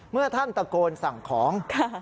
เมื่อท่านตะโกนสั่งของ